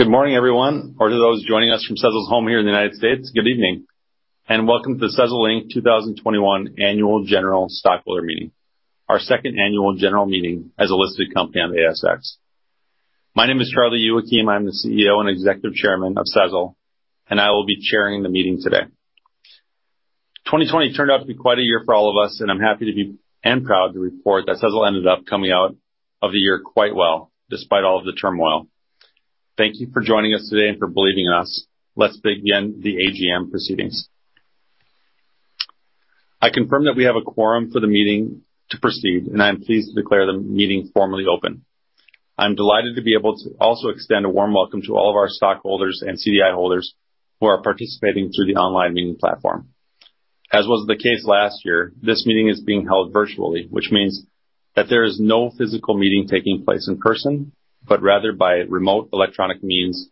Good morning, everyone. Or to those joining us from Sezzle's home here in the U.S., good evening, and Welcome to Sezzle Inc. 2021 Annual General Stockholder Meeting, our second annual general meeting as a listed company on the ASX. My name is Charlie Youakim, I'm the CEO and Executive Chairman of Sezzle, I will be chairing the meeting today. 2020 turned out to be quite a year for all of us, and I'm happy and proud to report that Sezzle ended up coming out of the year quite well, despite all the turmoil. Thank you for joining us today and for believing in us. Let's begin the AGM proceedings. I confirm that we have a quorum for the meeting to proceed, and I'm pleased to declare the meeting formally open. I'm delighted to be able to also extend a warm welcome to all of our stockholders and CDI holders who are participating through the online meeting platform. As was the case last year, this meeting is being held virtually, which means that there is no physical meeting taking place in person, but rather by remote electronic means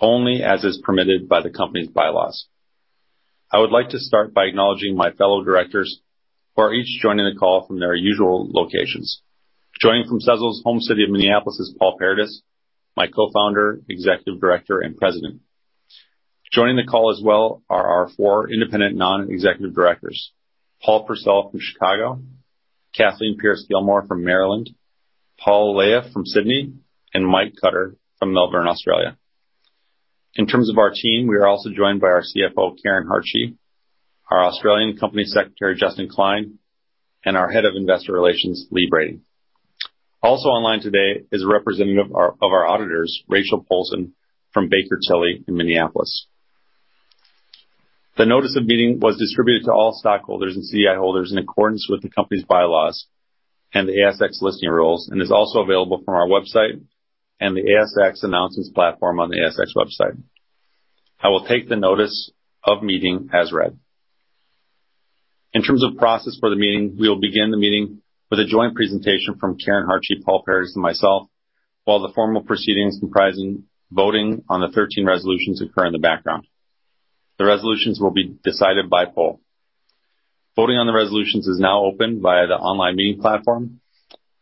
only as is permitted by the company's bylaws. I would like to start by acknowledging my fellow directors who are each joining the call from their usual locations. Joining from Sezzle's home city of Minneapolis is Paul Paradis, my Co-founder, Executive Director, and President. Joining the call as well are our four independent non-executive directors, Paul Purcell from Chicago, Kathleen Pierce-Gilmore from Maryland, Paul Lahiff from Sydney, and Mike Cutter from Melbourne, Australia. In terms of our team, we are also joined by our CFO, Karen Hartje, our Australian Company Secretary, Justin Clyne, and our Head of Investor Relations, Lee Brading. Also online today is a representative of our auditors, Rachel Polson from Baker Tilly in Minneapolis. The notice of meeting was distributed to all stockholders and CDI holders in accordance with the company's bylaws and the ASX Listing Rules, and is also available from our website and the ASX announcements platform on the ASX website. I will take the notice of meeting as read. In terms of process for the meeting, we will begin the meeting with a joint presentation from Karen Hartje, Paul Paradis, and myself, while the formal proceedings comprising voting on the 13 resolutions occur in the background. The resolutions will be decided by poll. Voting on the resolutions is now open via the online meeting platform.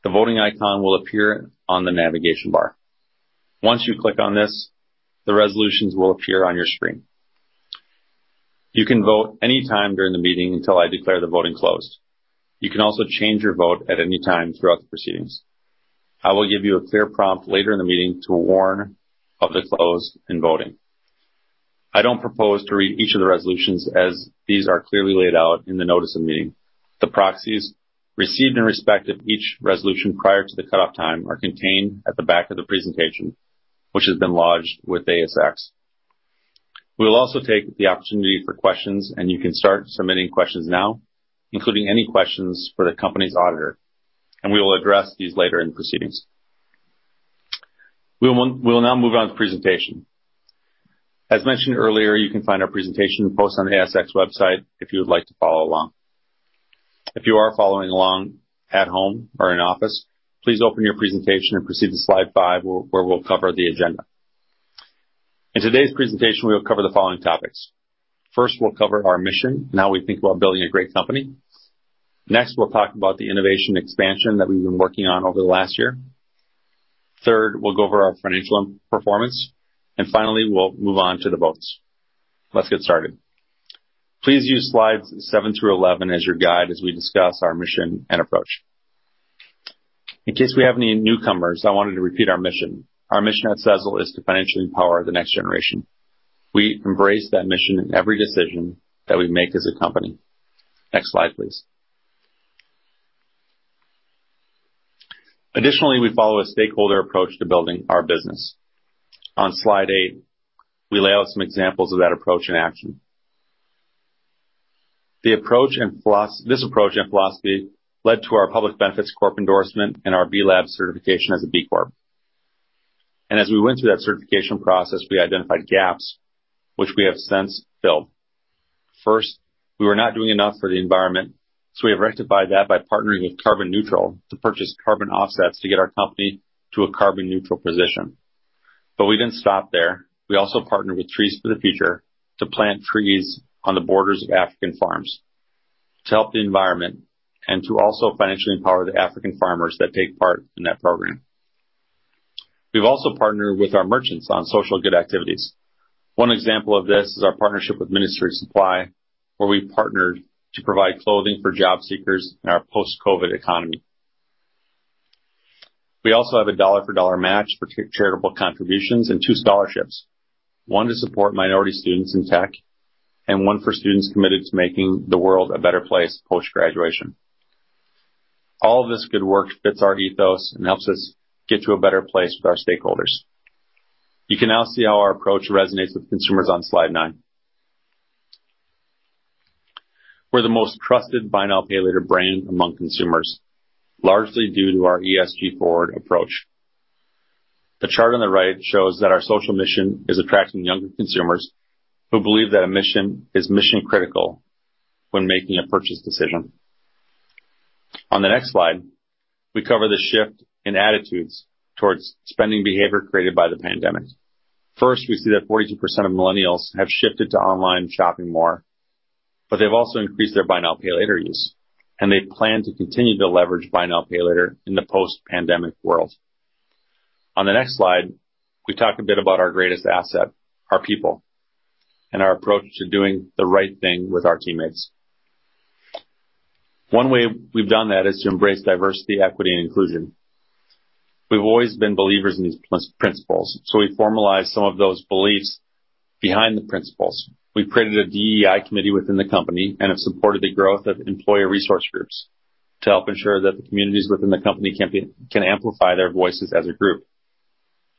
The voting icon will appear on the navigation bar. Once you click on this, the resolutions will appear on your screen. You can vote anytime during the meeting until I declare the voting closed. You can also change your vote at any time throughout the proceedings. I will give you a clear prompt later in the meeting to warn of the close in voting. I don't propose to read each of the resolutions as these are clearly laid out in the notice of meeting. The proxies received in respect of each resolution prior to the cut-off time are contained at the back of the presentation, which has been lodged with ASX. We'll also take the opportunity for questions, and you can start submitting questions now, including any questions for the company's auditor, and we will address these later in proceedings. We will now move on to the presentation. As mentioned earlier, you can find our presentation posted on the ASX website if you would like to follow along. If you are following along at home or in office, please open your presentation and proceed to slide five, where we'll cover the agenda. In today's presentation, we'll cover the following topics. First, we'll cover our mission and how we think about building a great company. Next, we'll talk about the innovation expansion that we've been working on over the last year. Third, we'll go over our financial performance. Finally, we'll move on to the votes. Let's get started. Please use slides seven through 11 as your guide as we discuss our mission and approach. In case we have any newcomers, I wanted to repeat our mission. Our mission at Sezzle is to financially empower the next generation. We embrace that mission in every decision that we make as a company. Next slide, please. Additionally, we follow a stakeholder approach to building our business. On slide eight, we lay out some examples of that approach in action. This approach and philosophy led to our Public Benefit Corporation endorsement and our B Lab certification as a B Corporation. As we went through that certification process, we identified gaps which we have since filled. First, we were not doing enough for the environment. We have rectified that by partnering with Carbon-Neutral to purchase carbon offsets to get our company to a carbon-neutral position. We didn't stop there. We also partnered with Trees for the Future to plant trees on the borders of African farms to help the environment and to also financially empower the African farmers that take part in that program. We've also partnered with our merchants on social good activities. One example of this is our partnership with Ministry of Supply, where we partnered to provide clothing for job seekers in our post-COVID economy. We also have a dollar-for-dollar match for charitable contributions and two scholarships, one to support minority students in tech and one for students committed to making the world a better place post-graduation. All of this good work fits our ethos and helps us get to a better place for our stakeholders. You can now see how our approach resonates with consumers on slide nine. We're the most trusted Buy Now Pay Later brand among consumers, largely due to our ESG forward approach. The chart on the right shows that our social mission is attracting younger consumers who believe that mission is mission-critical when making a purchase decision. On the next slide, we cover the shift in attitudes towards spending behavior created by the pandemic. First, we see that 42% of millennials have shifted to online shopping more. They've also increased their Buy Now Pay Later use, and they plan to continue to leverage Buy Now Pay Later in the post-pandemic world. On the next slide, we talk a bit about our greatest asset, our people, and our approach to doing the right thing with our teammates. One way we've done that is to embrace diversity, equity, and inclusion. We've always been believers in these principles, we formalized some of those beliefs behind the principles. We created a DEI committee within the company and have supported the growth of employee resource groups to help ensure that the communities within the company can amplify their voices as a group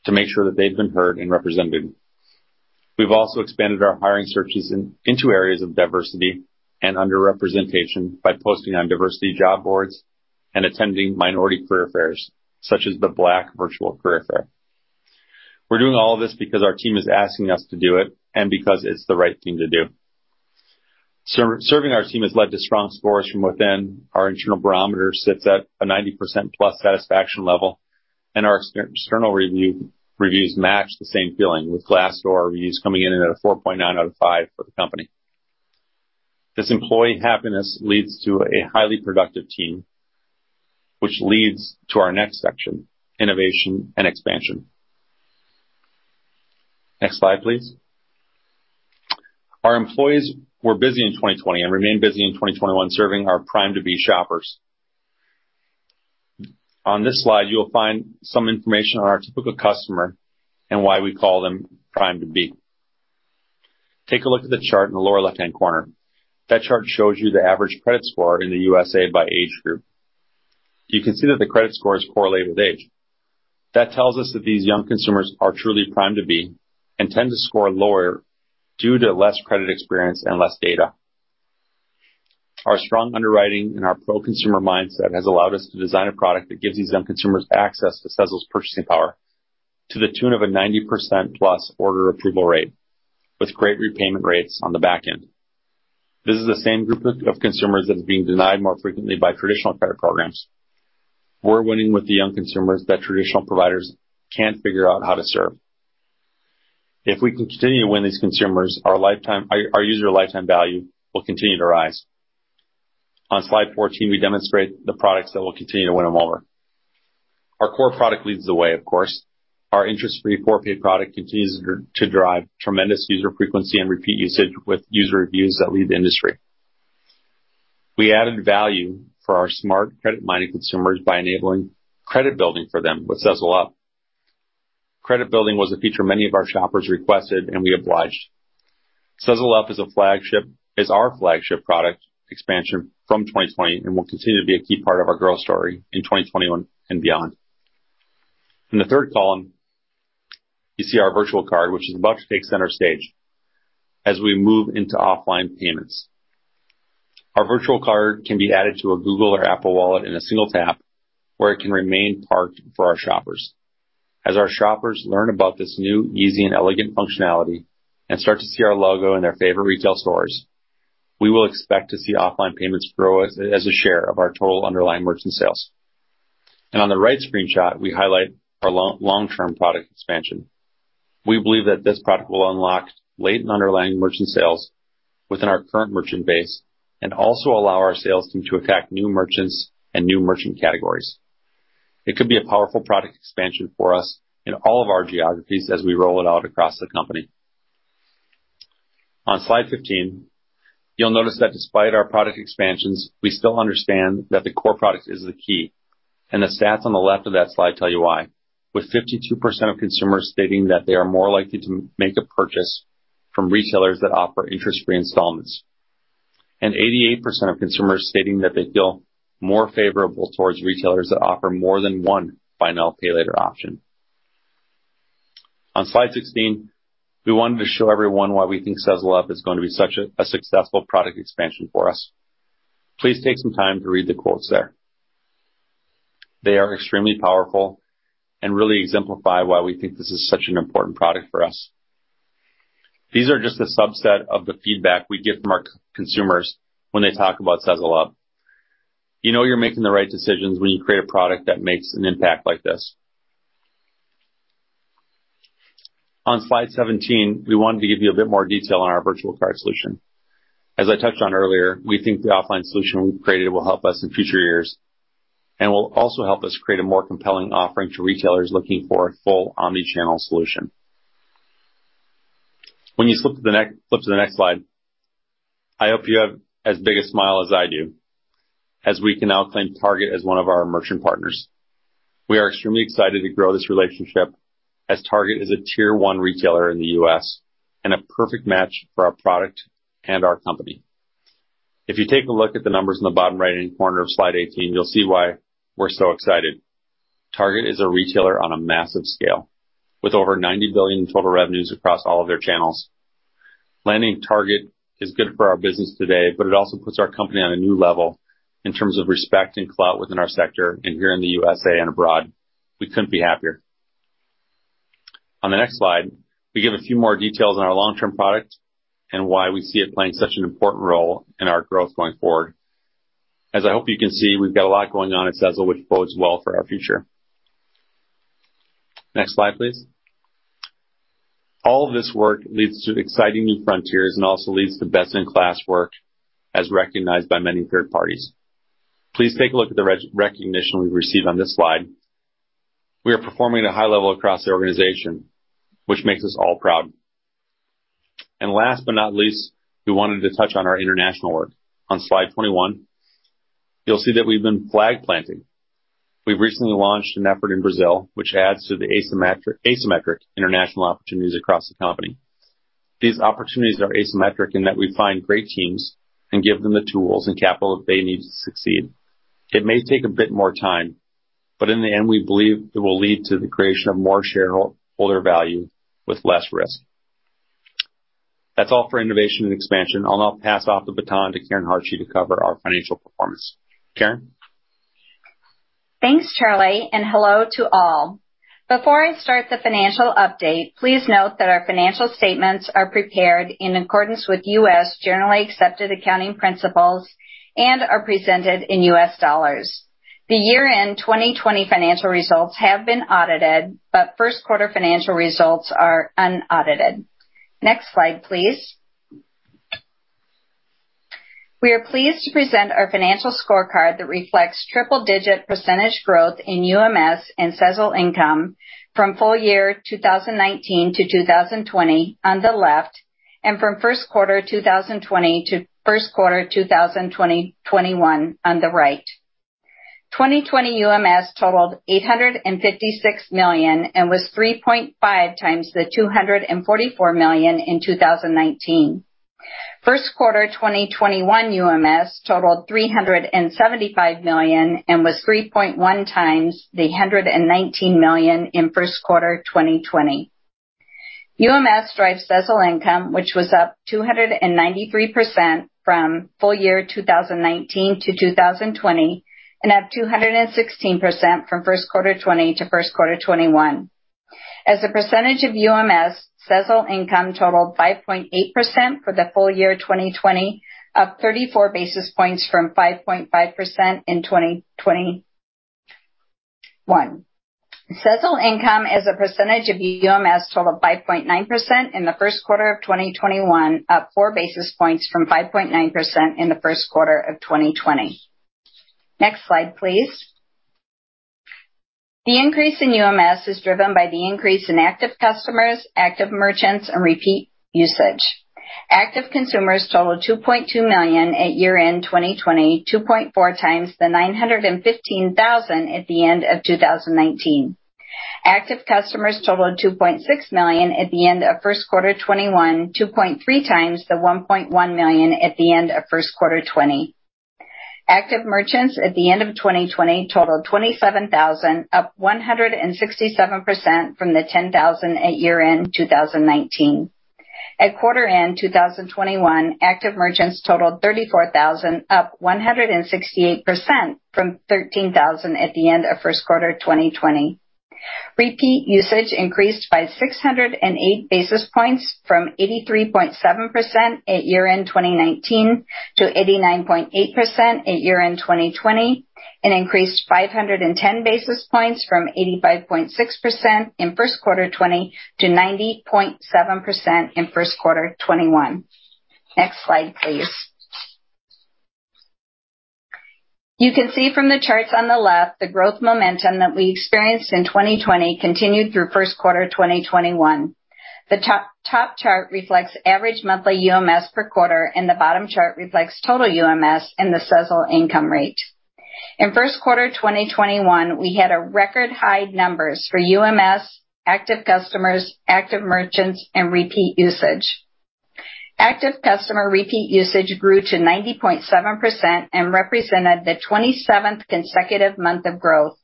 to make sure that they've been heard and represented. We've also expanded our hiring searches into areas of diversity and under-representation by posting on diversity job boards and attending minority career fairs, such as the Black Virtual Career Fair. We're doing all of this because our team is asking us to do it and because it's the right thing to do. Serving our team has led to strong scores from within. Our internal barometer sits at a 90%+ satisfaction level, and our external reviews match the same feeling with Glassdoor reviews coming in at a 4.9 out of five for the company. This employee happiness leads to a highly productive team, which leads to our next section, innovation and expansion. Next slide, please. Our employees were busy in 2020 and remain busy in 2021 serving our prime-to-be shoppers. On this slide, you'll find some information on our typical customer and why we call them prime-to-be. Take a look at the chart in the lower left-hand corner. That chart shows you the average credit score in the USA by age group. You can see that the credit scores correlate with age. That tells us that these young consumers are truly prime-to-be and tend to score lower due to less credit experience and less data. Our strong underwriting and our pro-consumer mindset has allowed us to design a product that gives these young consumers access to Sezzle's purchasing power to the tune of a 90%+ order approval rate with great repayment rates on the back end. This is the same group of consumers that are being denied more frequently by traditional credit programs. We're winning with the young consumers that traditional providers can't figure out how to serve. If we continue to win these consumers, our user lifetime value will continue to rise. On slide 14, we demonstrate the products that will continue to win them over. Our core product leads the way, of course. Our interest-free four-pay product continues to drive tremendous user frequency and repeat usage with user reviews that lead the industry. We added value for our smart credit money consumers by enabling credit building for them with Sezzle Up. Credit building was a feature many of our shoppers requested, and we obliged. Sezzle Up is our flagship product expansion from 2020 and will continue to be a key part of our growth story in 2021 and beyond. In the third column, you see our virtual card, which is about to take center stage as we move into offline payments. Our virtual card can be added to a Google or Apple wallet in a single tap, where it can remain parked for our shoppers. As our shoppers learn about this new, easy and elegant functionality and start to see our logo in their favorite retail stores, we will expect to see offline payments grow as a share of our total underlying merchant sales. On the right screenshot, we highlight our long-term product expansion. We believe that this product will unlock latent underlying merchant sales within our current merchant base and also allow our sales team to attack new merchants and new merchant categories. It could be a powerful product expansion for us in all of our geographies as we roll it out across the company. On slide 15, you'll notice that despite our product expansions, we still understand that the core product is the key, and the stats on the left of that slide tell you why. With 52% of consumers stating that they are more likely to make a purchase from retailers that offer interest-free installments, 88% of consumers stating that they feel more favorable towards retailers that offer more than one Buy Now Pay Later option. On slide 16, we wanted to show everyone why we think Sezzle Up is going to be such a successful product expansion for us. Please take some time to read the quotes there. They are extremely powerful and really exemplify why we think this is such an important product for us. These are just a subset of the feedback we get from our consumers when they talk about Sezzle Up. You know you're making the right decisions when you create a product that makes an impact like this. On slide 17, we wanted to give you a bit more detail on our virtual card solution. As I touched on earlier, we think the offline solution we've created will help us in future years and will also help us create a more compelling offering to retailers looking for a full omni-channel solution. When you flip to the next slide, I hope you have as big a smile as I do as we can now claim Target as one of our merchant partners. We are extremely excited to grow this relationship as Target is a tier one retailer in the U.S. and a perfect match for our product and our company. If you take a look at the numbers in the bottom right-hand corner of slide 18, you'll see why we're so excited. Target is a retailer on a massive scale with over $90 billion in total revenues across all of their channels. Landing Target is good for our business today, but it also puts our company on a new level in terms of respect and clout within our sector and here in the U.S.A. and abroad. We couldn't be happier. On the next slide, we give a few more details on our long-term product and why we see it playing such an important role in our growth going forward. As I hope you can see, we've got a lot going on at Sezzle, which bodes well for our future. Next slide, please. All of this work leads to exciting new frontiers and also leads to best-in-class work, as recognized by many third parties. Please take a look at the recognition we've received on this slide. We are performing at a high level across the organization, which makes us all proud. Last but not least, we wanted to touch on our international work. On slide 21, you'll see that we've been flag planting. We recently launched an effort in Brazil, which adds to the asymmetric international opportunities across the company. These opportunities are asymmetric in that we find great teams and give them the tools and capital that they need to succeed. It may take a bit more time, but in the end, we believe it will lead to the creation of more shareholder value with less risk. That's all for innovation and expansion. I'll now pass off the baton to Karen Hartje to cover our financial performance. Karen? Thanks, Charlie, and hello to all. Before I start the financial update, please note that our financial statements are prepared in accordance with U.S. Generally Accepted Accounting Principles and are presented in U.S. dollars. The year-end 2020 financial results have been audited, but first quarter financial results are unaudited. Next slide, please. We are pleased to present our financial scorecard that reflects triple-digit percentage growth in UMS and Sezzle income from full year 2019-2020 on the left, and from first quarter 2020 to first quarter 2021 on the right. 2020 UMS totaled $856 million and was 3.5x the $244 million in 2019. First quarter 2021 UMS totaled $375 million and was 3.1x the $119 million in first quarter 2020. UMS drives Sezzle income, which was up 293% from full year 2019-2020, and up 216% from first quarter 2020 to first quarter 2021. As a percentage of UMS, Sezzle income totaled 5.8% for the full year 2020, up 34 basis points from 5.5% in 2021. Sezzle income as a percentage of UMS totaled 5.9% in the first quarter of 2021, up 4 basis points from 5.9% in the first quarter of 2020. Next slide, please. The increase in UMS is driven by the increase in active customers, active merchants, and repeat usage. Active consumers totaled 2.2 million at year-end 2020, 2.4x the 915,000 at the end of 2019. Active customers totaled 2.6 million at the end of first quarter 2021, 2.3x the 1.1 million at the end of first quarter 2020. Active merchants at the end of 2020 totaled 27,000, up 167% from the 10,000 at year-end 2019. At quarter end 2021, active merchants totaled 34,000, up 168% from 13,000 at the end of first quarter 2020. Repeat usage increased by 608 basis points from 83.7% at year-end 2019 to 89.8% at year-end 2020, and increased 510 basis points from 85.6% in first quarter 2020 to 90.7% in first quarter 2021. Next slide, please. You can see from the charts on the left the growth momentum that we experienced in 2020 continued through first quarter 2021. The top chart reflects average monthly UMS per quarter, and the bottom chart reflects total UMS and the Sezzle income rate. In first quarter 2021, we had record high numbers for UMS, active customers, active merchants, and repeat usage. Active customer repeat usage grew to 90.7% and represented the 27th consecutive month of growth.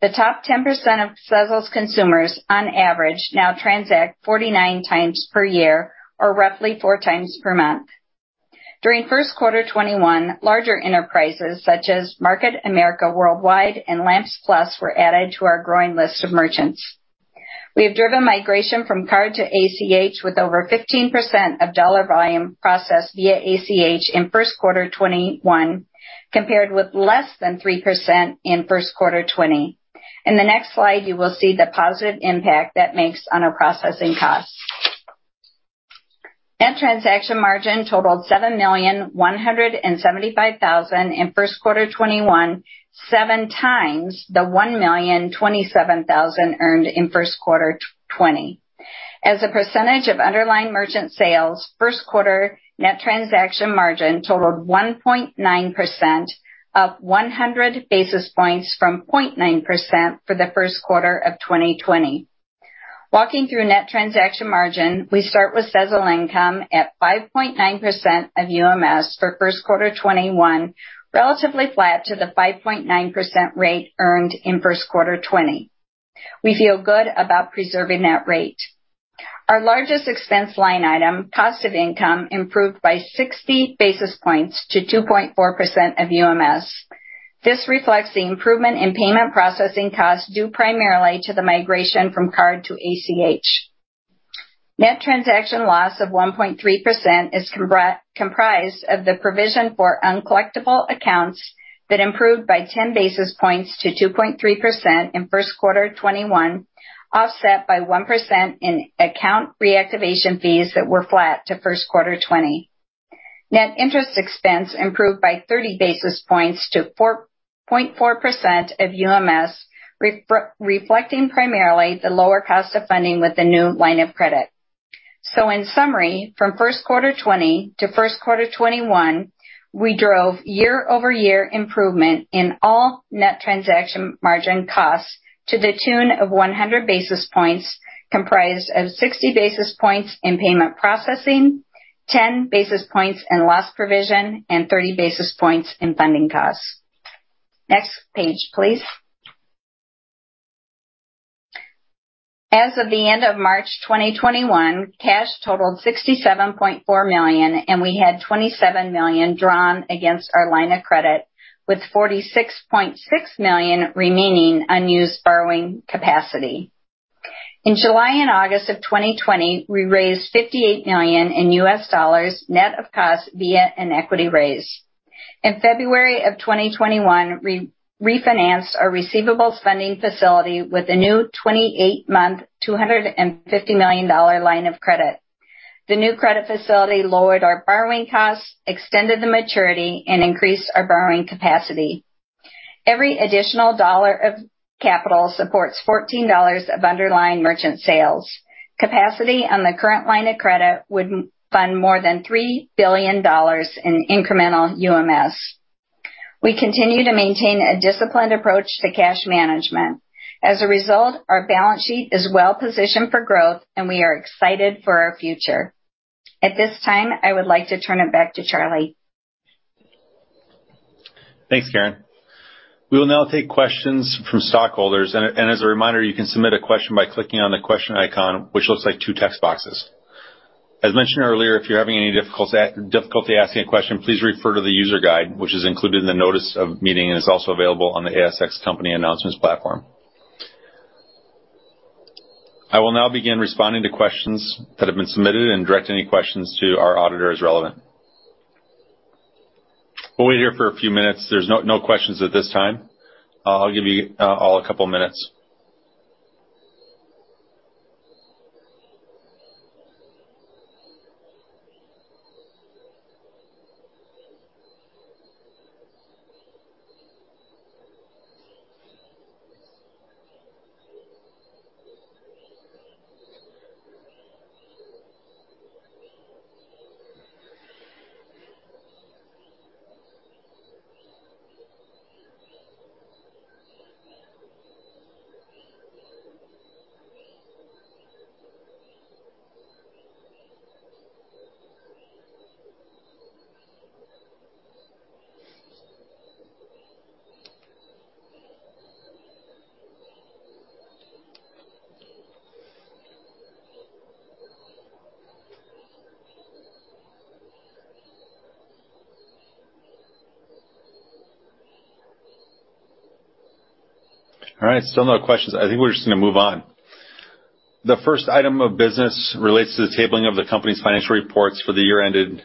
The top 10% of Sezzle's consumers on average now transact 49x per year, or roughly 4x per month. During first quarter 2021, larger enterprises such as Market America Worldwide and Lamps Plus were added to our growing list of merchants. We've driven migration from card to ACH with over 15% of dollar volume processed via ACH in first quarter 2021, compared with less than 3% in first quarter 2020. In the next slide, you will see the positive impact that makes on our processing costs. Net transaction margin totaled $7,175,000 in first quarter 2021, 7x the $1,027,000 earned in first quarter 2020. As a percentage of underlying merchant sales, first quarter net transaction margin totaled 1.9%, up 100 basis points from 0.9% for the first quarter of 2020. Walking through net transaction margin, we start with Sezzle income at 5.9% of UMS for first quarter 2021, relatively flat to the 5.9% rate earned in first quarter 2020. We feel good about preserving that rate. Our largest expense line item, cost of income, improved by 60 basis points to 2.4% of UMS. This reflects the improvement in payment processing costs due primarily to the migration from card to ACH. Net transaction loss of 1.3% is comprised of the provision for uncollectible accounts that improved by 10 basis points to 2.3% in first quarter 2021, offset by 1% in account reactivation fees that were flat to first quarter 2020. Net interest expense improved by 30 basis points to 4.4% of UMS, reflecting primarily the lower cost of funding with the new line of credit. In summary, from first quarter 2020 to first quarter 2021, we drove year-over-year improvement in all net transaction margin costs to the tune of 100 basis points, comprised of 60 basis points in payment processing, 10 basis points in loss provision, and 30 basis points in funding costs. Next page, please. As of the end of March 2021, cash totaled $67.4 million, and we had $27 million drawn against our line of credit, with $46.6 million remaining unused borrowing capacity. In July and August of 2020, we raised $58 million in U.S. dollars net of cost via an equity raise. In February of 2021, we refinanced our receivable funding facility with a new 28-month, $250 million line of credit. The new credit facility lowered our borrowing costs, extended the maturity, and increased our borrowing capacity. Every additional dollar of capital supports $14 of underlying merchant sales. Capacity on the current line of credit would fund more than $3 billion in incremental UMS. We continue to maintain a disciplined approach to cash management. As a result, our balance sheet is well-positioned for growth, and we are excited for our future. At this time, I would like to turn it back to Charlie. Thanks, Karen. We will now take questions from stockholders. As a reminder, you can submit a question by clicking on the question icon, which looks like two text boxes. As mentioned earlier, if you're having any difficulty asking a question, please refer to the user guide, which is included in the notice of meeting and is also available on the ASX company announcements platform. I will now begin responding to questions that have been submitted and direct any questions to our auditor as relevant. We'll be here for a few minutes. There's no questions at this time. I'll give you all a couple of minutes. All right, still no questions. I think we're just going to move on. The first item of business relates to the tabling of the company's financial reports for the year ended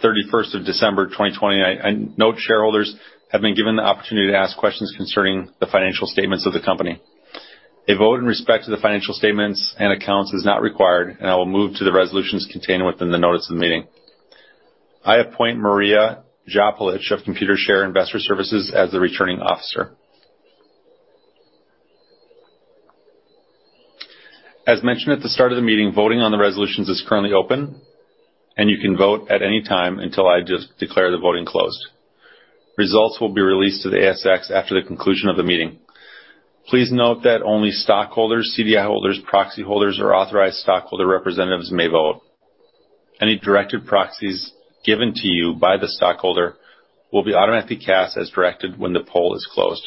31st of December 2020. No shareholders have been given the opportunity to ask questions concerning the financial statements of the company. A vote in respect to the financial statements and accounts is not required. I will move to the resolutions contained within the notice of meeting. I appoint Maria Japelich of Computershare Investor Services as the returning officer. As mentioned at the start of the meeting, voting on the resolutions is currently open. You can vote at any time until I declare the voting closed. Results will be released to the ASX after the conclusion of the meeting. Please note that only stockholders, CDI holders, proxy holders, or authorized stockholder representatives may vote. Any directed proxies given to you by the stockholder will be automatically cast as directed when the poll is closed.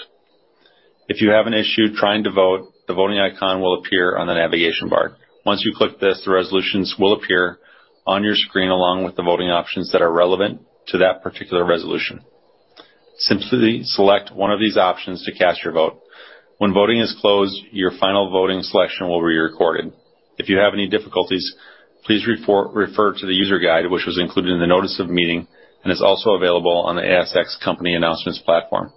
If you have an issue trying to vote, the voting icon will appear on the navigation bar. Once you click this, the resolutions will appear on your screen along with the voting options that are relevant to that particular resolution. Simply select one of these options to cast your vote. When voting is closed, your final voting selection will be recorded. If you have any difficulties, please refer to the user guide, which was included in the notice of meeting and is also available on the ASX company announcements platform.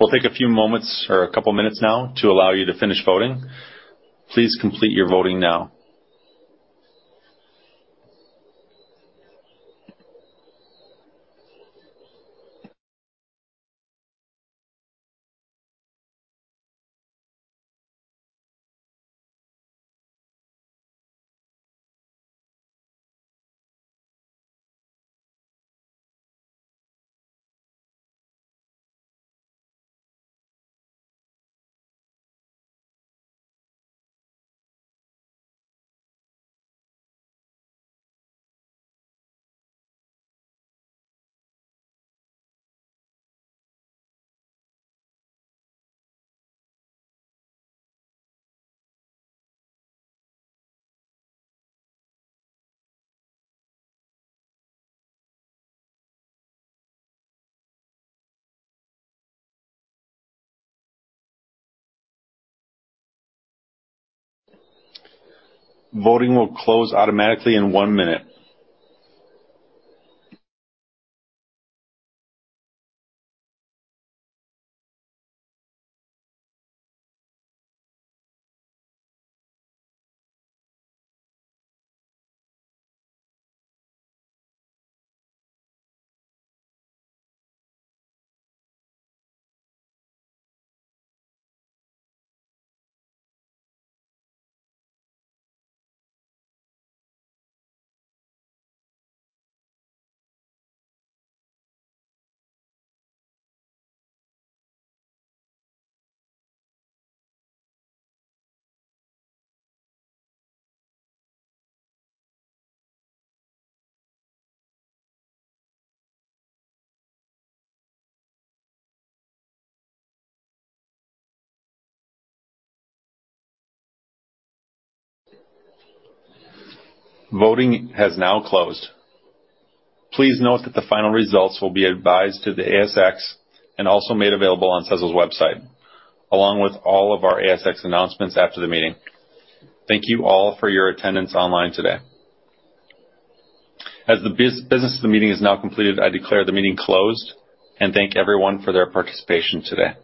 We'll take a few moments or a couple of minutes now to allow you to finish voting. Please complete your voting now. Voting will close automatically in one minute. Voting has now closed. Please note that the final results will be advised to the ASX and also made available on Sezzle's website, along with all of our ASX announcements after the meeting. Thank you all for your attendance online today. As the business of the meeting is now completed, I declare the meeting closed and thank everyone for their participation today.